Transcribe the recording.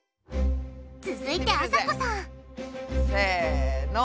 続いてあさこさんせの。